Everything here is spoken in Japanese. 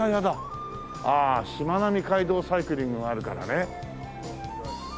ああしまなみ海道サイクリングがあるからね。